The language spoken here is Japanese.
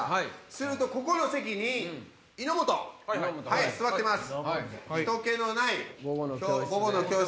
するとここの席に井本座ってます。